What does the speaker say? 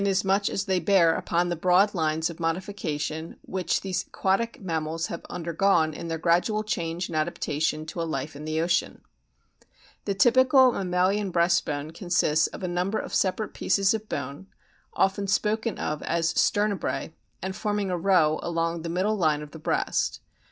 44 A BOOK OF WHALES much as they bear upon the broad lines of modifica tion which these aquatic mammals have undergone in their gradual change and adaptation to a life in the ocean. The typical mammalian breast bone consists of a number of separate pieces of bone, often spoken of as " sternebrae," and forming a row along the middle line of the breast.